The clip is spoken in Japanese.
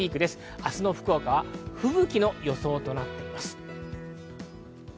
明日の福岡は吹雪の予想となっています。